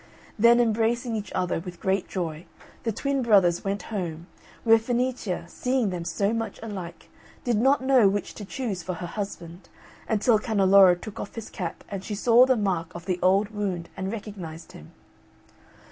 Then embracing each other with great joy, the twin brothers went home, where Fenicia, seeing them so much alike, did not know which to choose for her husband, until Canneloro took off his cap and she saw the mark of the old wound and recognised him.